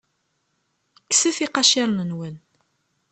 Kkset iqaciren-nwen.